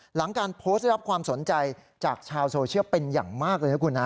หลังการโพสต์ได้รับความสนใจจากชาวโซเชียลเป็นอย่างมากเลยนะคุณฮะ